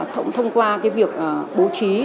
thông qua việc bố trí